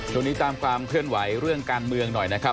ตามความเคลื่อนไหวเรื่องการเมืองหน่อยนะครับ